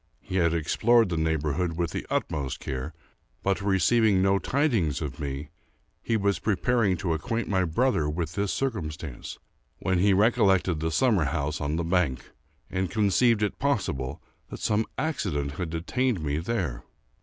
He had explored the neighborhood with the utmost care, but, receiving no tidings of me, he was preparing to acquaint my brother with this circumstance, when he recollected the summer house on the bank, and conceived it possible that some accident had detained me there.